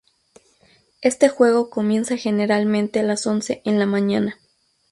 Este juego comienza generalmente a las once en la mañana.